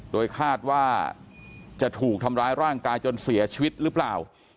โดยคาดว่าจะถูกทำร้ายร่างกายจนเสียชีวิตหรือเปล่า